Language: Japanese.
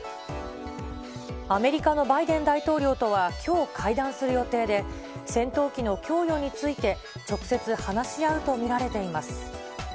アメリカのバイデン大統領とはきょう、会談する予定で、戦闘機の供与について直接話し合うと見られています。